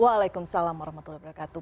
waalaikumsalam warahmatullahi wabarakatuh